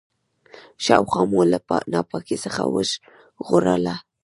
شاوخوا مو له ناپاکۍ څخه وژغورله.